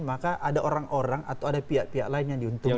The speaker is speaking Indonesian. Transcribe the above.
maka ada orang orang atau ada pihak pihak lain yang diuntungkan